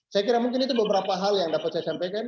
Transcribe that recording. saya kira mungkin itu beberapa hal yang dapat saya sampaikan